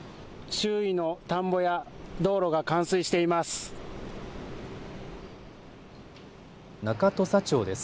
周囲の田んぼや道路が冠水しています。